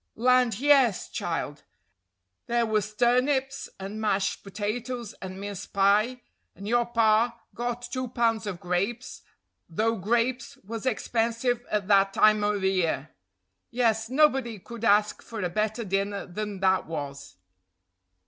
"Land, yes, child. There was turnips, and mashed potatoes and mince pie, and your pa got two pounds of grapes, though grapes was expensive at that time o' year. Yes, nobody could ask for a better dinner than that was."